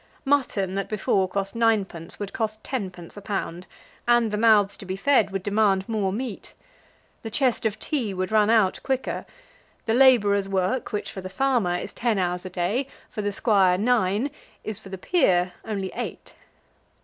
Mutton that before cost ninepence would cost tenpence a pound, and the mouths to be fed would demand more meat. The chest of tea would run out quicker. The labourer's work, which for the farmer is ten hours a day, for the squire nine, is for the peer only eight.